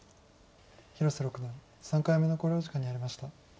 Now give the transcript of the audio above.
広瀬六段３回目の考慮時間に入りました。